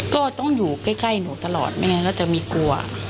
ก็ต้องอยู่ใกล้หนูตลอดไม่งั้นก็จะมีกลัว